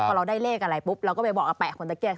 พอเราได้เลขอะไรก็ไปบอกเอาแบ่คุณตะเกี๊ยค